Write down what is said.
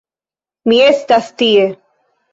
Mi estas tie!